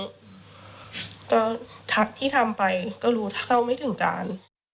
ก็ทักที่ทำไปก็รู้ต้องเข้าไม่ถึงการ